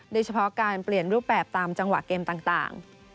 โดยเฉพาะการเปลี่ยนรูปแบบตามจังหวะเกมต่าง